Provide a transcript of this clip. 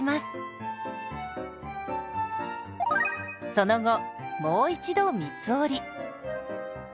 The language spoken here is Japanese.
その後もう一度三つ折り。